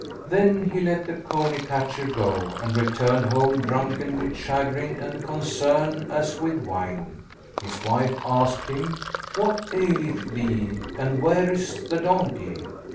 Then he let the cony catcher go and returned home, drunken with chagrin and concern as with wine. His wife asked him, "What aileth thee and where is the donkey?"